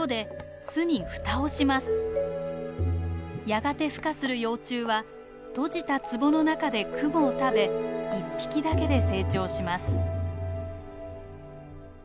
やがてふ化する幼虫は閉じたつぼの中でクモを食べ一匹だけで成長します。